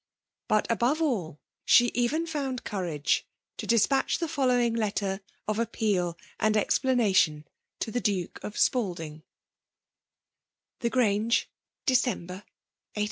But« above all> she evien found courage to despatch the foUowing letter of apx»eal and ezplanation to the Duke of '< TbB Grange, Dacember —> 163